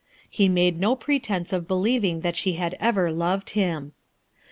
Ho made no pretence of believing that she had ever loved him.